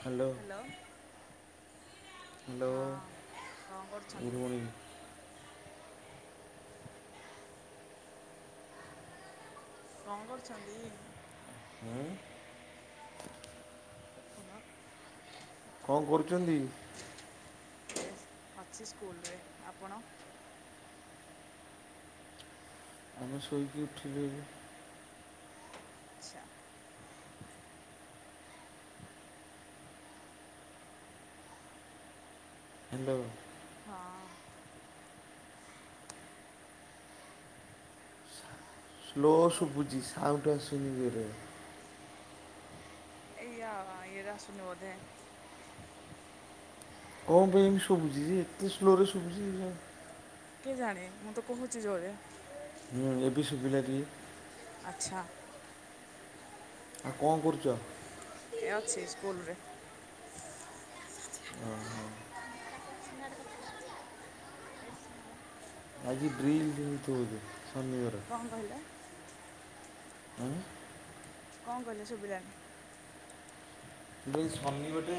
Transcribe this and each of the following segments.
[inaudible] Hello hello ହଁ କଣ କରୁଛନ୍ତି ଗୁଡ଼ ମୋର୍ନିଂ। ରଙ୍ଗଡ଼ଚନ୍ତି। ହୁଁ। ହଁ। କଣ କରୁଛନ୍ତି? ଅଛି ସ୍କୁଲରେ ଆପଣ। ଆମେ ଶୋଇକି ଉଠିଲୁ। ଆଚ୍ଛା। ହାଲୋ। ହଁ ସ୍ଲୋ ବ ସୁୁପୁଜି ସାଠ ଶନିବିରେ। ଏଇଆା ଇରାା ସୁଣିବଧେ। କଣ ପାଇଁ ସୁବୁଜି ଏତେ ସ୍ଲୋରେ ସୁବୁଜି। କିଏ ଜାଣଣି ମୁଁ ତ କହୁଛି ଜୋରେ। ହୁଁ ଏବେ ଶୁବିଲା କି। ଆଚ୍ଛା। ଆଉ କଣ କରୁଛ। କେ ଅଛି ସ୍କୁଲରେ। ଓହୋ ଆଜି ଡ୍ର୍ରୀଲ ଦ ହହୁୁ। କଣ କହିଲା। ଆଁ। କଣ କଲେ ସୁଭିଲାନି। ଏ ସୀ ବେଟେ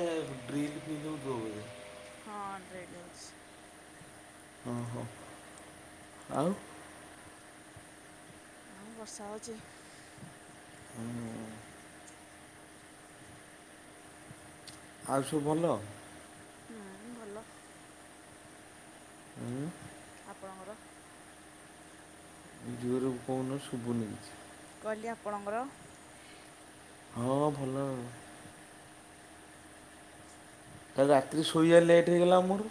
ଡ୍ରିଲ ଫ ଦ ବଜେ। ହଁ ଅଣ୍ଡ୍ରେଡ଼୍ ହେଉଛି। ଓ ହୋ ଆଉ ଆଉ ବର୍ଷା ହେଉଛି। ହୁଁ। ଆଉ ସବୁ ଭଲ। ହୁଁ ଭଲ। ଉଁ। ଆପଣଙ୍କର। ଜୋରେ କହୁନ ଶୁଭୁନି କିଛି। କିଏ ଆପନଙ୍କର। ହଁ ଭଲ। କାଲି ରାତିରେ ଶୋଇବା ଲେଟ୍ ହେଇଗଲା ମୋର।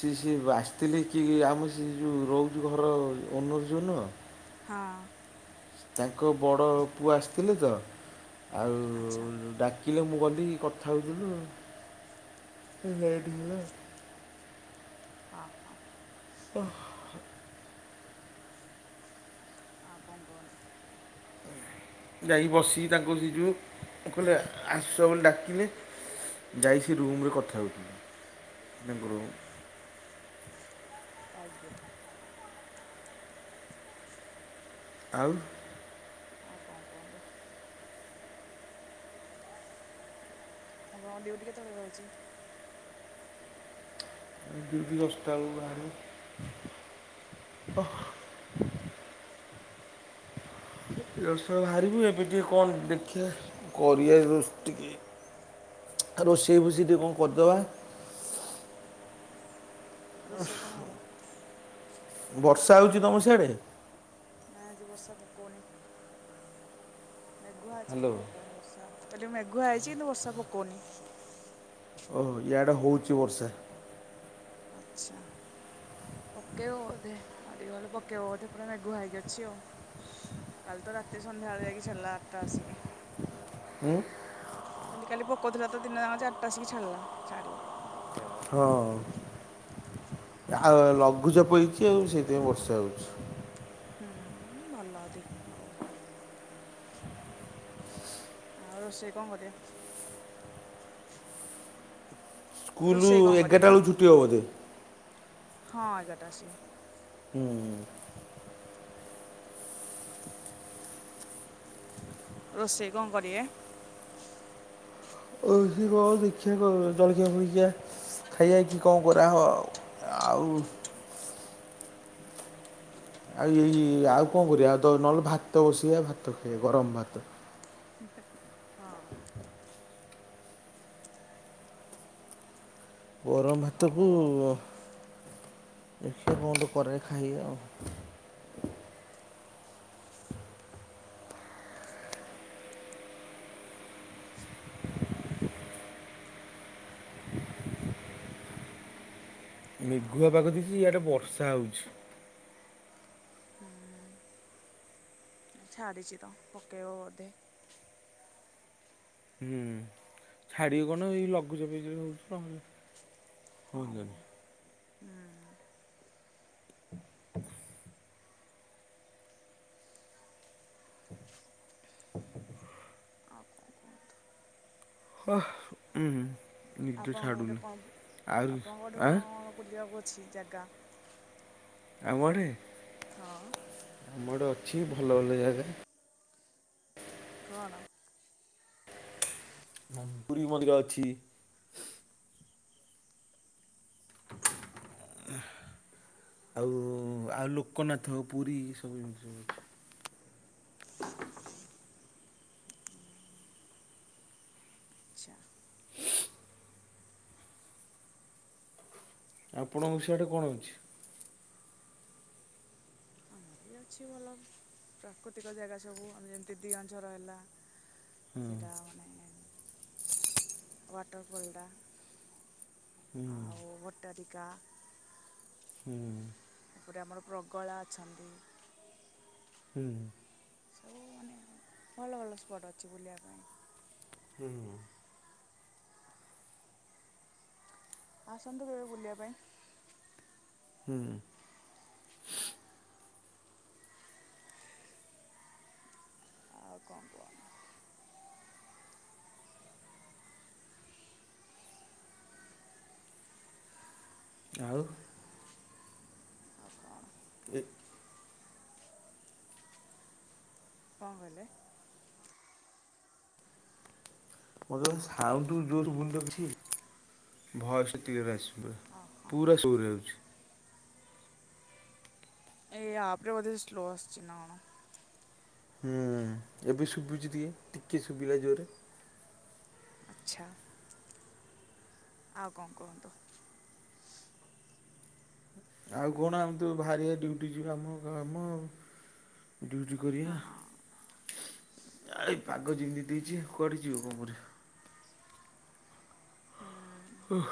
ସିଏ ସିଏ ଆସିଥିଲେ କିଏ ଆମର ସେ ଯୋଉ ରହୁଛୁ ଘର ଓନର୍ ଯୋଉ ନୁହଁ। ହଁ। ତାଙ୍କ ବଡ଼ ପୁଅ ଆସିଥିଲେ ତ ଆଉ ଆଚ୍ଛା ଡାକି ଲେ ମୁଁ ଗଲିି କଥା ହେଉଥିଲୁ, ଲେଟ୍ ହେଲା ଆଉ। ହଁ ହଁ ଓଃ। ଆଉ କଣ କୁହନ୍ତୁ ଯାଇକି ବସିକି ତାଙ୍କୁ ସେଇ ଯେଉ କହିଲେ ଆସ ବୋଲି ଡାକିଲେ। ଯାଇ ସେ ରୁମ୍ ରେ କଥା ହେଉଥିଲୁ ତାଙ୍କ ରୁମ୍। ଆଜ୍ଞା। ଆଉ। ଆଉ କଣ କୁହନ୍ତୁ। ଆପଣଙ୍କ ଡ୍ୟୁଟି କେତେବେଳେ ରହୁଛି। ଡ୍ୟୁଟି ଦଶଟା ବେଳକୁ ବାହାରିବି। ଓଃ। [inaudible] ଦଶଟା ରେ ବାହାରିବୁ ଏବେ ଟିକେ କଣ ଦେଖିଆ କରିଆ ରୋଷ ଟିକେ। ଆଉ ରୋଷେଇ ଫୋସେଇ ଟିକେ କଣ କରିଦବା? ରୋଷେଇ କଣ ହବ? ବର୍ଷା ହଉଛି ତମ ସିଆଡେ? ନା ଆଜି ବର୍ଷା ପକଉନି। ମେଘୁଆ ଅଛି ହ୍ୟାଲୋ। କିନ୍ତୁ ପକଉନି ବର୍ଷା କହିଲି ମେଘୁଆ ଅଛି କିନ୍ତୁ ବର୍ଷା ପକଉନି। ଓ ଇଆଡ଼େ ହଉଛି ବର୍ଷା। ଆଚ୍ଛା। ପକେଇବ ବୋଧେ ଆଉ ଟିକେ ଗଲେ ପକେଇବ ବୋଧେ ପୁରା ମେଘୁଆ ହେଇକି ଅଛି ଆଉ। କାଲି ତ ରାତି ସନ୍ଧ୍ୟାବେଳେ ଯାଇକି ଛଡିଲା ଆଠଟା ଆସିକି। ଉଁ? କହିଲି କାଲି ପକଉଥିଲା ତ ଦିନ ଯାକ ଚାରିଟା ଆସିକି ଛାଡିଲା ଛାଡିବ ପକେଇବ ବୋଧେ ଆଉ। [inaudible] ହଁ ଆଉ ଲଘୁଚାପ ହେଇଛି ଆଉ ସେଇଥିପାଇଁ ବର୍ଷା ହଉଛି। ହୁଁ ଭଲ ଟିକେ ହଉ। ଆଉ ରୋଷେଇ କଣ କରିବା? ସ୍କୁଲରୁ ରୋଷେଇ କ'ଣ ଏଗାରଟା କରିବେ ବେଳକୁ ଛୁଟି ହେବ ବୋଧେ? ହଁ ଏଗାରଟା ରେ ଆସିବି। ହୁଁ। ରୋଷେଇ କଣ କରିବେ? ହଉ ଦେଖିଆ କଣ ଜଳଖିଆ ଫଳଖିଆ। ଖାଇବା କିି କଣ କରାହବ ଆଉ? ଆଉ ଏଇ ଆଉ କଣ କରିବା ତ ନହେଲେ ଭାତ ବସେଇବା ଭାତ ଖାଇଆ ଗରମ ଭାତ। ହଁ। ଗରମ ହଉ ଭାତକୁ ଆଉ ଦେଖିଆ କଣ ଗୋଟେ କରିଛି ଖାଇବା ଆଉ? ଆଉ ମେଘୁଆ କ'ଣ ପାଗ କୁହନ୍ତୁ ଦେଇଛି ଇଆଡେ ବର୍ଷା ହଉଛି। ଛାଡିଚି ତ ପକେଇବ ବୋଧେ। ଛାଡିବ କଣ ଏଇ ଲଘୁଚାପି ଯୋଉ ହଉଛି ହଁ ମ ହୁଅନ୍ତାନି। ହୁଁ ଆଉ କଣ କୁହନ୍ତୁ ହ ଉୁଁ। ଆପଣଙ୍କ ଗୋଟେ କଣ ଆପଣଙ୍କ ଗୋଟେ ଆଁ କଣ ବୁଲିବାକୁ ଅଛି ଜାଗା? ଆମ ଆଡେ? ହଁ। ମୁଁ ଗୋଟେ ଅଛି ଭଲ ଭଲ ଜାଗା। କଣ? ପୁରୀ ମନ୍ଦିର ଅଛି। [inaudible] ଆଉ ଆଉ ଲୋକନାଥ ପୁରୀ ସବୁ ଏମିତି ସବୁ ଅଛି। [inaudible] ଆଚ୍ଛା ଆପଣଙ୍କ ସିଆଡେ କଣ ଅଛି? ଆମର ବି ଅଛି ଭଲ ପ୍ରାକୃତିକ ଜାଗା ସବୁ ଆମ ଯେମିତି ଦିଅ ଝର ହେଲା। ହୁଁ ସେଟା ମାନେ ୱାଟର ଫଲଟା। ହୁଁ। କା [unintelligible] ହୁଁ। ଗୋଟେ ଆମର ପ୍ରଗଳା ଅଛନ୍ତି। ହୁଁ ହୁଁ। ସବୁ ମାନେ ଭଲ ଭଲ ସ୍ପଟ ଅଛି ବୁଲିବା ପାଇଁ। ହୁଁ। ଆସନ୍ତୁ କେବେ ବୁଲିବା ପାଇଁ। ହୁଁ। ଆଉ କଣ କୁହ? ଆଉ? ଆହ ଦେଖ୍ କଣ କହିଲେ? ମୋତେ ସାଉଣ୍ଡ ଜୋର ସୁବୁନି ତ କିଛି ଭୟସ ଟା କ୍ଳିଅର ଆସ ହଁ ହଁ ପୁରା ସୋ ରେ ଆଉଛି। ଏଇ ଆପରେ ବୋଧେ ସ୍ଲୋ ଆଶୁଛିି ନା କଣ? ହୁଁ ଏବେ ଶୁଭୁଛି ଟିକେ ଟିକେ ଶୁଭିଲା ଜୋରେ ଆଚ୍ଛା। ଆଉ କଣ କୁହନ୍ତୁ? ଆଉ କଣ ଆମେ ତ ବାହାରିବା ଡିଉଟି ଯିବା ଆମ କାମ ଆଉ। ଡ୍ୟୁଟି କରବା। ହଁ ଆଇ ପାଗ ଯେମିତି ଦେଇଛି କୁଆଡେ ଯିବ କଣ କରିବ। ହୁଁ। ଓଃ।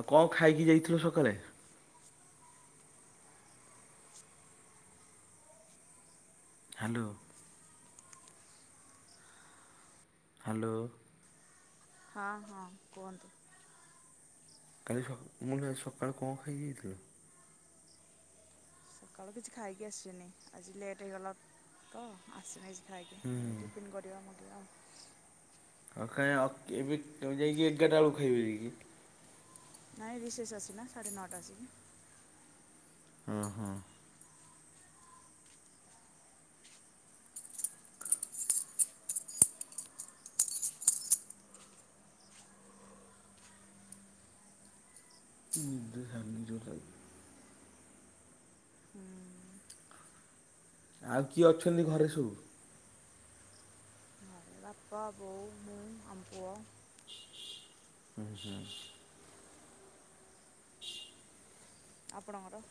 ଆଉ କଣ ଖାଇକି ଯାଇଥିଲ ସକାଳେ? ହ୍ୟାଲୋ। ହ୍ୟାଲୋ? ହଁ ହଁ କୁହନ୍ତୁ। କାଲି ସକ୍ ମୁଁ କାଲି ସକାଳୁ କଣ ଖାଇକି ଯାଇଥିଲି? ସକାଳୁ କିଛି ଖାଇକି ଆସିନି। ଆଜି ଲେଟ୍ ହେଇଗଲା ତ ଆସିନି ଖାଇକି ହୁଁ ଟିଫିନ୍ କରିବା ମଗେ଼ଇବା ଆଉ। ଆଉ ଖାଇଆ ଆଉ କେବେ ତମେ ଯାଇକି ଏଗାରଟା ବେଳକୁ ଖାଇବ ଯାଇକି। ନାଇଁ ରିଶେଷ ଅଛି ନା ସାଢ଼େ ନଅଟା ଆସିକି ହ ହୋ। [unintelligible] ହୁଁ ଆଉ କିଏ ଅଛନ୍ତି ଘରେ ସବୁ? ଘରେ ବାପା ବୋଉ ମୁଁ ଆମ ପୁଅ। ହଁ ହଁ। ଆପଣଙ୍କର?